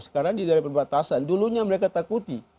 sekarang di daerah perbatasan dulunya mereka takuti